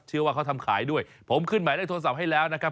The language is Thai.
ว่าเขาทำขายด้วยผมขึ้นหมายเลขโทรศัพท์ให้แล้วนะครับ